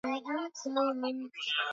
kwa ajili ya kilimo mifugo na makazi